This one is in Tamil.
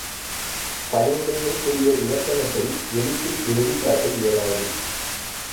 பணிவுடைமைக்குரிய இலக்கணத்தை எழுத்தில் எழுதிக்காட்ட இயலாது.